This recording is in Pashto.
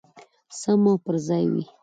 سم او پرځای وای.